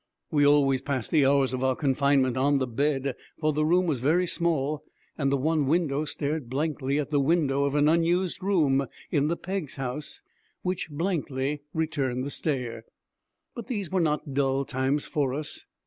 We always passed the hours of our confinement on the bed, for the room was very small and the one window stared blankly at the window of an unused room in the Peggs' house, which blankly returned the stare. But these were not dull times for us.